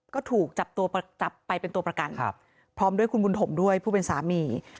ก็ถูกจับตัวจับไปเป็นตัวประกันพร้อมด้วยคุณบุญถมด้วยผู้เป็นสามี